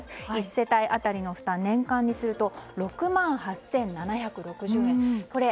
１世帯当たりの負担を年間にすると６万８７６０円。